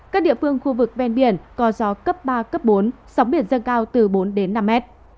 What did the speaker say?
các địa phương khu vực ven biển có gió cấp ba cấp bốn sóng biển dâng cao từ bốn đến năm mét